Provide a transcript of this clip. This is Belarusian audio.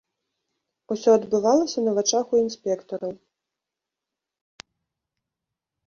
Усё адбывалася на вачах у інспектараў.